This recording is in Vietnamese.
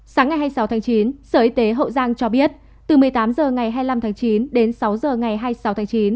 sáng ngày hai mươi sáu tháng chín sở y tế hậu giang cho biết từ một mươi tám h ngày hai mươi năm tháng chín đến sáu h ngày hai mươi sáu tháng chín